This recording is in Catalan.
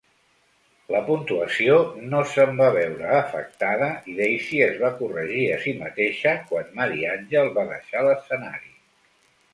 La puntuació no se'n va veure afectada i Daisy es va corregir a si mateixa quan Mariangel va deixar l'escenari.